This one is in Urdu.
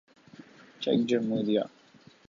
چیک جمہوریہ